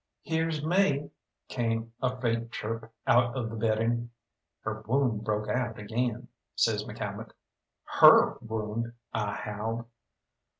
"Here's me," came a faint chirp out of the bedding. "Her wound broke out agin," says McCalmont. "Her wound?" I howled.